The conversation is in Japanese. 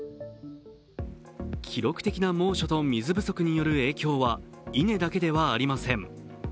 記録的な猛暑と水不足による影響は稲だけではありません。